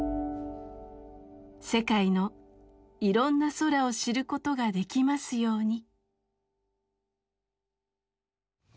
世界のいろんな空を知ることができますように。